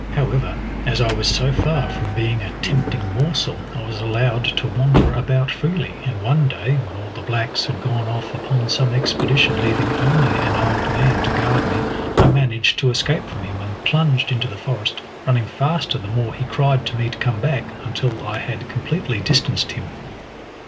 However, as I was so far from being a tempting morsel, I was allowed to wander about freely, and one day, when all the blacks had gone off upon some expedition leaving only an old man to guard me, I managed to escape from him and plunged into the forest, running faster the more he cried to me to come back, until I had completely distanced him.